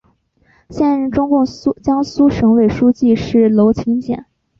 现任中共江苏省委书记是娄勤俭。